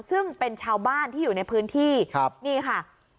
ซึ่งเป็นชาวบ้านที่อยู่ในพื้นที่ครับนี่ค่ะ